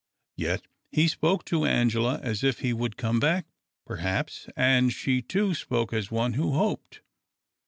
Yet he spoke to Angela as if he would come back, perhaps, and she, too, spoke as one who hoped.